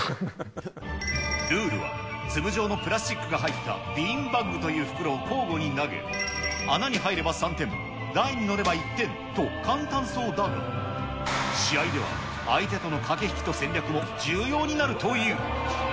ルールは、粒状のプラスチックが入ったビーンバッグという袋を交互に投げ、穴に入れば３点、台に載れば１点と、簡単そうだが、試合では相手との駆け引きと戦略も重要になるという。